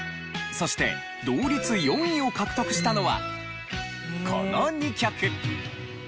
そして同率４位を獲得したのはこの２曲。